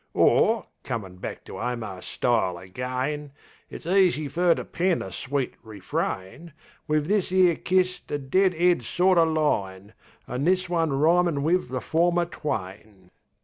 Or, comin' back to Omar's style again, It's easy fer to pen a sweet refrain Wiv this 'ere kist a dead 'ead sort o' line, An' this one rhymin' wiv the former twain.